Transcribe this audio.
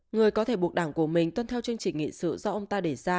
người có thể buộc đảng của mình tuân theo chương trình nghị sự do ông ta đề ra